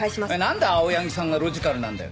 なんで青柳さんがロジカルなんだよ。